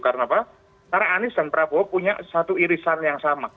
karena anis dan prabowo punya satu irisan yang sama